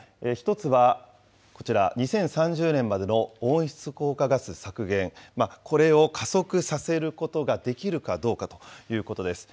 １つはこちら、２０３０年までの温室効果ガス削減、これを加速させることができるかどうかということです。